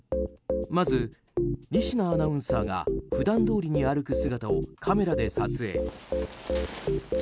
まず、仁科アナウンサーが普段どおりに歩く姿をカメラで撮影。